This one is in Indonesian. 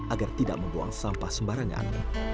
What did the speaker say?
agar tidak membuang sampah sembarangan